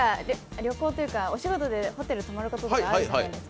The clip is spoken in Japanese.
旅行というか、お仕事でホテルに泊まることってあるじゃないですか。